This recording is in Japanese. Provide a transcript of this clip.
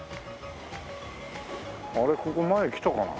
あれここ前来たかな？